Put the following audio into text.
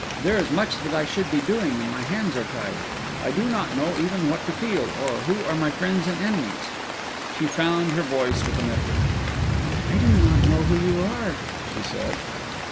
There is much that I should be doing, and my hands are tied. I do not know even what to feel, nor who are my friends and enemies." She found her voice with an effort. "I do not know who you are," she said.